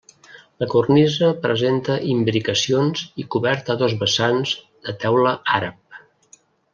La cornisa presenta imbricacions i coberta a dos vessants de teula àrab.